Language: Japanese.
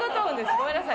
ごめんなさい。